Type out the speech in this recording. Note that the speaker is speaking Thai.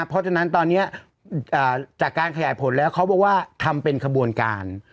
เพราะฉะนั้นตอนนี้จากการขยายผลแล้วเขาบอกว่าทำเป็นขบวนการ